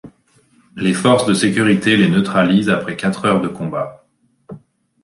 Les forces de sécurité les neutralisent après quatre heures de combat.